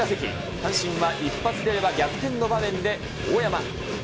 阪神は一発出れば逆転の場面で、大山。